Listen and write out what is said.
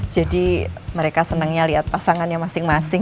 jadi mereka senangnya lihat pasangannya masing masing